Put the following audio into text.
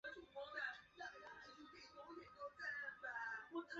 普雷佩查语因塔拉斯卡国的扩张而在墨西哥西北部广泛传播。